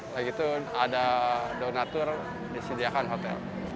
lagi itu ada donatur disediakan hotel